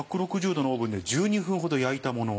１６０℃のオーブンで１２分ほど焼いたもの。